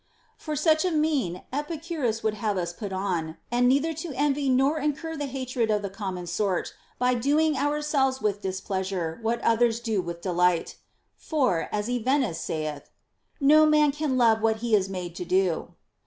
For such a mien Epicurus would have us to put on, and neither to envy nor to incur the hatred of the common sort by doing ourselves with displeasure what others do with delight. For, as Evenus saith, No man can love what he is made to do.